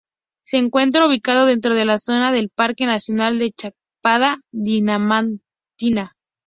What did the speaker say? Se encuentra ubicado dentro de la zona del Parque nacional de Chapada Diamantina.